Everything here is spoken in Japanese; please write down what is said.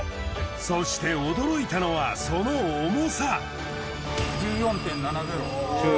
そして驚いたのはその重さ。